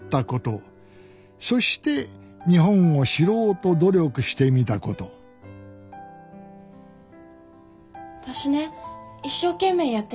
そして日本を知ろうと努力してみたこと私ね一生懸命やってみたんです。